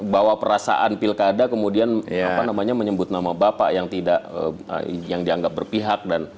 bahwa perasaan pilkada kemudian apa namanya menyebut nama bapak yang tidak yang dianggap berpihak